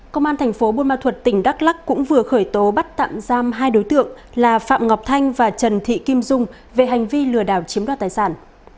công an thành phố buôn ma thuật tỉnh đắk lắc cũng vừa khởi tố bắt tạm giam hai đối tượng là phạm ngọc thanh và trần thị kim dung về hành vi lừa đảo chiếm đoạt tài sản